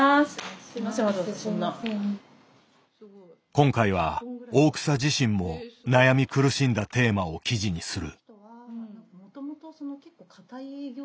今回は大草自身も悩み苦しんだテーマを記事にする。